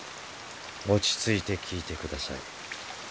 落ち着いて聞いてください。